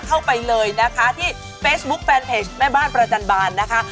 เข้าไปเลยนะคะที่เฟซบุ๊คแฟนเพจแม่บ้านประจันบาลนะคะ